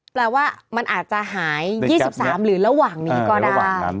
แปลว่ามันอาจจะหาย๒๓หรือระหว่างนี้ก็ได้